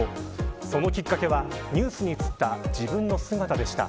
そのきっかけはニュースに映った自分の姿でした。